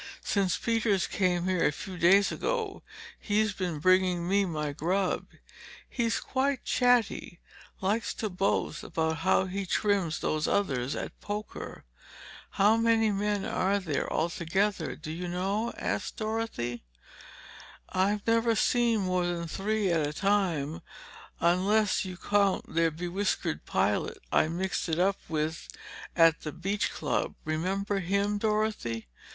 Since Peters came here a few days ago he's been bringing me my grub. He's quite chatty; likes to boast about how he trims those others at poker." "How many men are there altogether, do you know?" asked Dorothy. "I've never seen more than three at a time, unless you count their be whiskered pilot I mixed it up with at the beach club. Remember him, Dorothy?